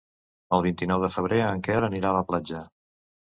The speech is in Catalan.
El vint-i-nou de febrer en Quer anirà a la platja.